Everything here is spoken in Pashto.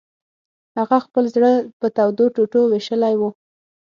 هغه خپل زړه په دوو ټوټو ویشلی و